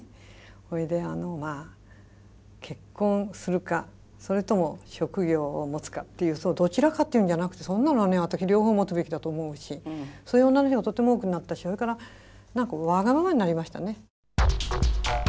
それで結婚するかそれとも職業を持つかっていうどちらかっていうんじゃなくてそんなのはね私両方持つべきだと思うしそういう女の人がとても多くなったしそれから何かわがままになりましたね。